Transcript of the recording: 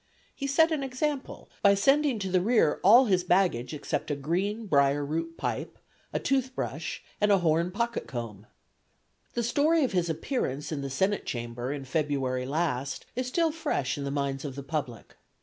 He set an example by sending to the rear all his baggage except a green briar root pipe, a tooth brush and a horn pocket comb. The story of his appearance in the Senate chamber in February last is still fresh in the minds of the public.